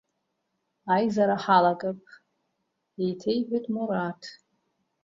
Аизара ҳалагап, еиҭеиҳәеит Мураҭ.